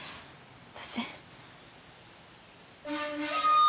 私。